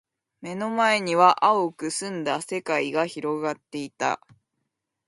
目の前には蒼く澄んだ世界が広がっていた。